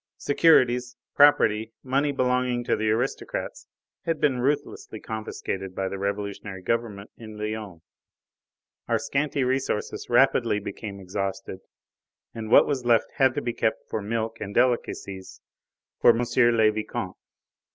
Securities, property, money belonging to aristocrats had been ruthlessly confiscated by the revolutionary government in Lyons. Our scanty resources rapidly became exhausted, and what was left had to be kept for milk and delicacies for M. le Vicomte.